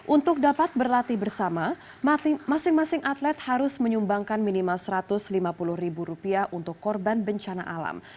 untuk dapat berlatih bersama masing masing atlet harus menyumbangkan minimal satu ratus lima puluh ribu rupiah untuk korban bencana alam